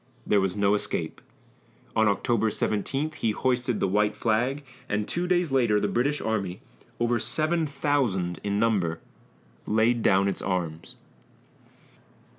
There was no escape. On October 17 he hoisted the white flag, and two days later the British army, over seven thousand in number, laid down its arms.